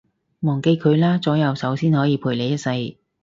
忘記佢啦，左右手先可以陪你一世